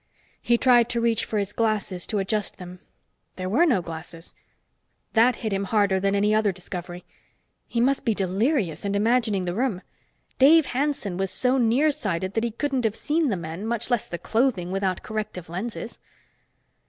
He tried to reach for his glasses to adjust them. There were no glasses! That hit him harder than any other discovery. He must be delirious and imagining the room. Dave Hanson was so nearsighted that he couldn't have seen the men, much less the clothing, without corrective lenses.